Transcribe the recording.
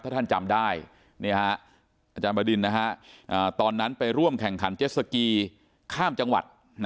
ถ้าท่านจำได้อาจารย์บดินตอนนั้นไปร่วมแข่งขันเจ็ดสกีข้ามจังหวัด